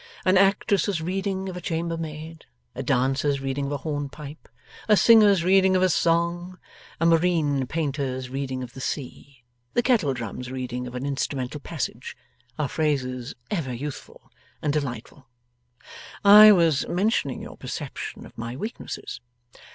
An actress's Reading of a chambermaid, a dancer's Reading of a hornpipe, a singer's Reading of a song, a marine painter's Reading of the sea, the kettle drum's Reading of an instrumental passage, are phrases ever youthful and delightful.) I was mentioning your perception of my weaknesses.